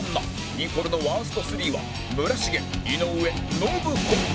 ニコルのワースト３は村重井上信子